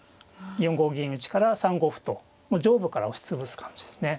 ４五銀打から３五歩と上部から押し潰す感じですね。